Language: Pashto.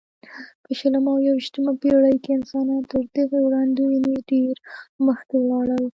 په شلمه او یویشتمه پېړۍ کې انسانان تر دغې وړاندوینو ډېر مخکې ولاړل.